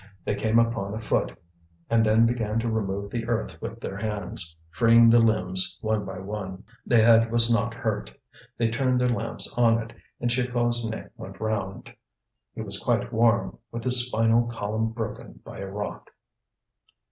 They came upon a foot, and then began to remove the earth with their hands, freeing the limbs one by one. The head was not hurt. They turned their lamps on it, and Chicot's name went round. He was quite warm, with his spinal column broken by a rock.